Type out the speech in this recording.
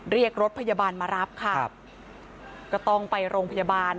เรียกรถพยาบาลมารับค่ะครับก็ต้องไปโรงพยาบาล